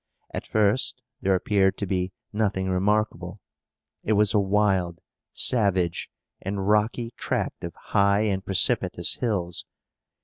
At first there appeared to be nothing remarkable. It was a wild, savage, and rocky tract of high and precipitous hills.